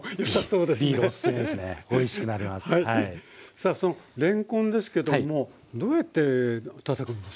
さあそのれんこんですけどもどうやってたたくんですか？